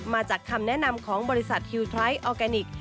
มาจากคำแนะนำของบริษัทฮิวไทรออร์แกนิค